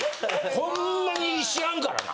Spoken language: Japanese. ほんまに知らんからな。